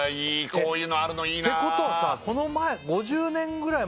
こういうのあるのいいなてことはさ